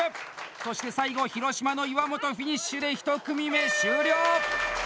そして最後、広島の岩本フィニッシュで１組目終了！